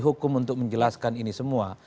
hukum untuk menjelaskan ini semua